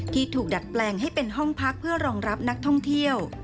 ถูกดัดแปลงให้เป็นห้องพักเพื่อรองรับนักท่องเที่ยว